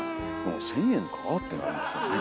「１，０００円か？」ってなりますよね。